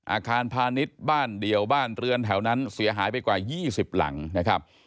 อาคารพาณิชย์บ้านเดียวบ้านเรือนแถวนั้นเสียหายไปกว่า๒๐หลังนะครับ